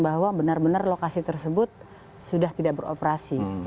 bapak yang menerlokasi tersebut sudah tidak beroperasi